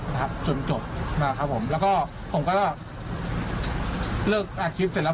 นะครับจนจบนะครับผมแล้วก็ผมก็เลิกอาชีพเสร็จแล้ว